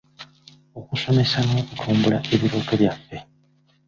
Okusomesa n'okutumbula ebirooto byaffe.